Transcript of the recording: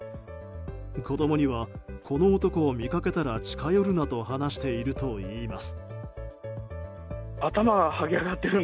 子供には、この男を見かけたら近寄るなと話しているといいます。